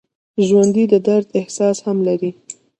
ژوندي د درد احساس هم لري